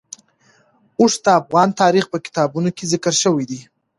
اوښ د افغان تاریخ په کتابونو کې ذکر شوی دي.